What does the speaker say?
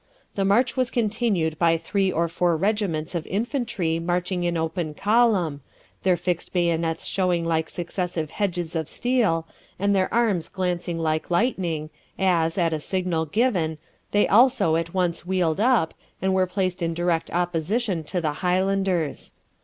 The march was continued by three or four regiments of infantry marching in open column, their fixed bayonets showing like successive hedges of steel, and their arms glancing like lightning, as, at a signal given, they also at once wheeled up, and were placed in direct opposition to the Highlanders.